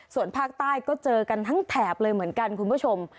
ส่วนภาคใต้ก็เจอกันทั้งแถบเลยเหมือนกันคุณผู้ชม